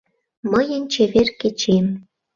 Мыйын чевер кечем.